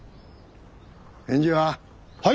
返事は？